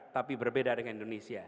tapi berbeda dengan indonesia